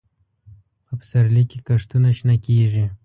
په پسرلي کې کښتونه شنه کېږي.